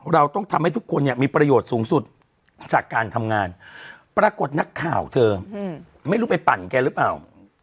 เราต้องทำให้ทุกคนเนี่ยมีประโยชน์สูงสุดจากการทำงานปรากฏนักข่าวเธอไม่รู้ไปปั่นแกหรือเปล่า